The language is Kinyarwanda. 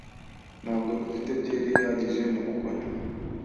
Ntabwo dufite byeri ihagije mubukwe